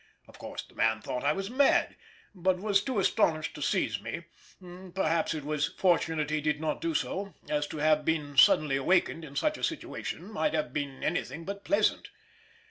Of course the man thought I was mad, but was too astonished to seize me; perhaps it was fortunate he did not do so, as to have been suddenly awakened in such a situation might have been anything but pleasant.